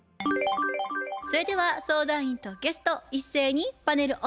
それでは相談員とゲスト一斉にパネルオープン。